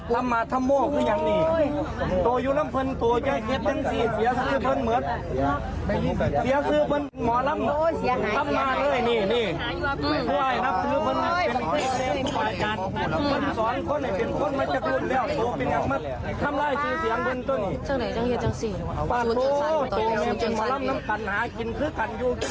เพราะว่าเงินหมอลำเงินเรียนสื่อหายบากรายคนเลยค่ะ